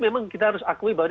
memang kita harus akui bahwa